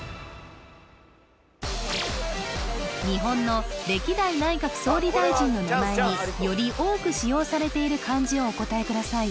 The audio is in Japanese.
日本の歴代内閣総理大臣の名前により多く使用されている漢字をお答えください